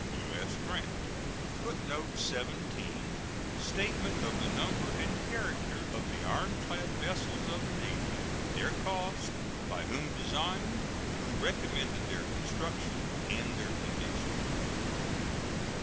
U.S. GRANT. [Footnote 17: Statement of the number and character of the ironclad vessels of the Navy, their cost, by whom designed, who recommended their construction, and their condition.